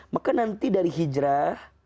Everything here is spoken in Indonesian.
maka nanti dari hijrah